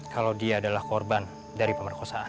kalau dia adalah korban dari pemerkosaan